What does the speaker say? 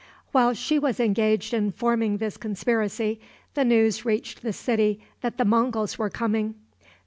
While she was engaged in forming this conspiracy, the news reached the city that the Monguls were coming.